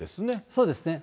そうですね。